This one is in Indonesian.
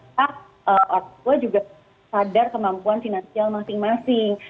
pak aku juga sadar kemampuan finansial masing masing